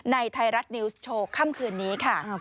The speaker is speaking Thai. ไทยรัฐนิวส์โชว์ค่ำคืนนี้ค่ะ